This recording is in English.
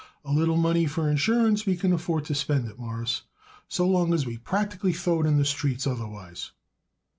A little money for insurance we can afford to spend it, Mawruss, so long as we practically throw it in the streets otherwise."